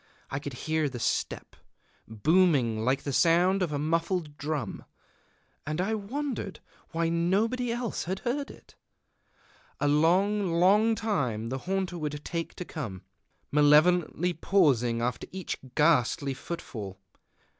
I could hear the step, booming like the sound of a muffled drum, and I wondered why nobody else heard it. A long, long time the haunter would take to come, malevolently pausing after each ghastly footfall.